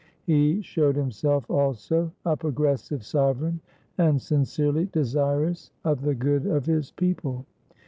He showed himself, also, a progressive sovereign, and sin cerely desirous of the good of his people.